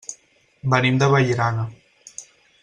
Venim de Vallirana.